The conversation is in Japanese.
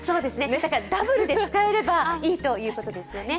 ダブルで使えればいいということですよね。